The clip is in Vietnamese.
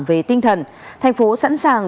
về tinh thần thành phố sẵn sàng